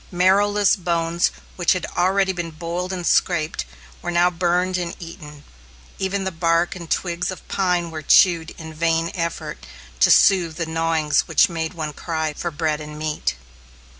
Marrowless bones which had already been boiled and scraped, were now burned and eaten, even the bark and twigs of pine were chewed in the vain effort to soothe the gnawings which made one cry for bread and meat.